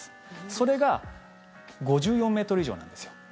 それが５４ｍ以上なんですよ。